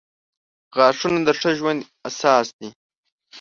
• غاښونه د ښه ژوند اساس دي.